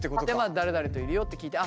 誰々といるよって聞いてああ